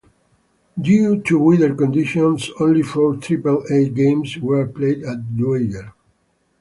Due to weather conditions only four Triple-A games were played at Dwyer.